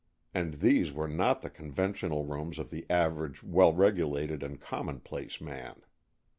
And these were not the conventional rooms of the average well regulated and commonplace man.